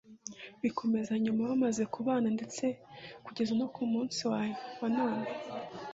bikomeza nyuma bamaze kubana ndetse kugeza no mu minsi ya none